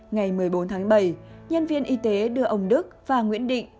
ngày một mươi bốn tháng bảy nhân viên y tế đưa ông đức và nguyễn định